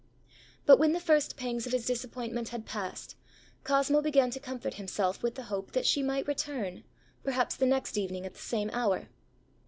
But when the first pangs of his disappointment had passed, Cosmo began to comfort himself with the hope that she might return, perhaps the next evening, at the same hour.